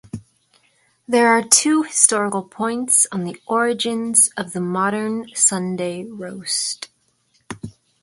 There are two historical points on the origins of the modern Sunday roast.